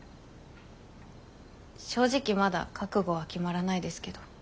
正直まだ覚悟は決まらないですけど。